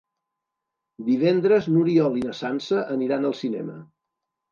Divendres n'Oriol i na Sança aniran al cinema.